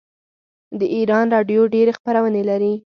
د ایران راډیو ډیرې خپرونې لري.